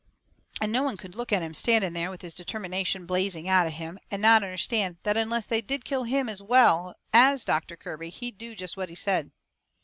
And no one could look at him standing there, with his determination blazing out of him, and not understand that unless they did kill him as well as Doctor Kirby he'd do jest what he said.